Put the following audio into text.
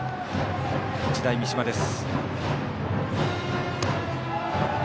日大三島です。